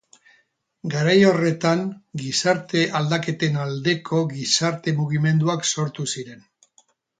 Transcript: Garai horretan gizarte aldaketen aldeko gizarte mugimenduak sortu ziren.